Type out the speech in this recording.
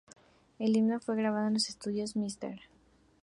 El himno fue grabado en los estudios Mr.